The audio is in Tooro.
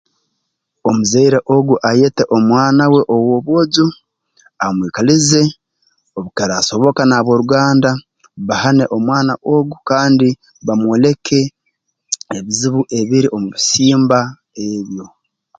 Omuzaire ogu ayete omwana we ow'obwojo amwikalize obu kiraasoboka nab'oruganda bahane omwana ogu kandi bamwoleke ebizibu ebiri omu bisimba ebyo